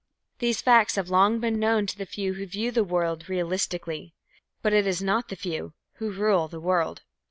These facts have long been known to the few who view the world realistically. But it is not the few who rule the world.